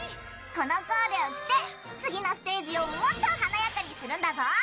このコーデを着て次のステージをもっと華やかにするんだぞ。